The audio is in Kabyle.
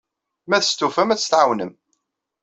Ma testufam, ad tt-tɛawnem.